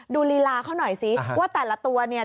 ดูลีล่าเขาน่าว่าแต่ละตัวเนี่ย